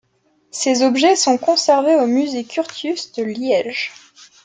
Ces objets sont conservés au Musée Curtius de Liège.